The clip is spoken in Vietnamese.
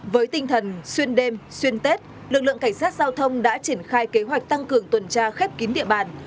với tinh thần xuyên đêm xuyên tết lực lượng cảnh sát giao thông đã triển khai kế hoạch tăng cường tuần tra khép kín địa bàn